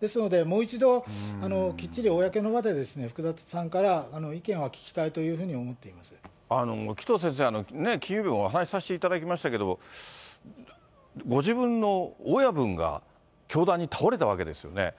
ですので、もう一度、きっちり公の場で福田さんから意見は聞きたいというふうに思って紀藤先生、金曜日もお話しさせていただきましたけど、ご自分の親分が、凶弾に倒れたわけですよね。